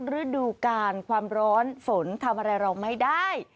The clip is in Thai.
ฤดูกาลความร้อนฝนทำอะไรเราไม่ได้